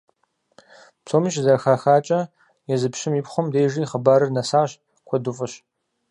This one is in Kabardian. - Псоми щызэхахакӀэ, езы пщым и пхъум дежи хъыбарыр нэсащ, куэду фӀыщ.